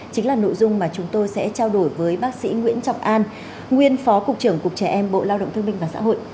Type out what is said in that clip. chính là nội dung mà chúng tôi sẽ trao đổi với bác sĩ nguyễn trọng an nguyên phó cục trưởng cục trẻ em bộ lao động thương minh và xã hội